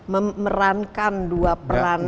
memerankan dua peran ini